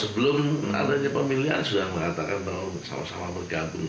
sebelum adanya pemilihan sudah mengatakan bahwa sama sama bergabung